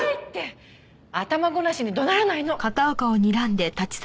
頭ごなしに怒鳴らないの。